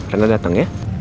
reina datang ya